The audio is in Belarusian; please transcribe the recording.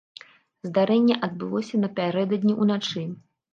Здарэнне адбылося напярэдадні ўначы.